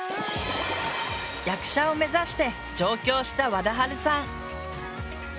役者を目指して上京したわだはるさん。